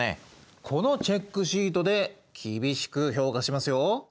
このチェックシートで厳しく評価しますよ。